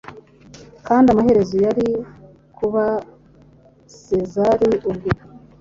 Kandi amaherezo yari kuba Sezari ubwe,